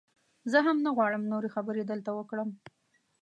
زه هم نه غواړم نورې خبرې دلته وکړم.